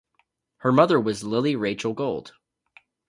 Her mother was Lily Rachel Gold.